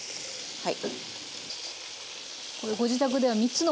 はい。